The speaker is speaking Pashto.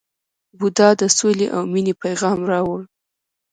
بودا د سولې او مینې پیغام راوړ.